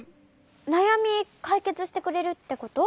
なやみかいけつしてくれるってこと？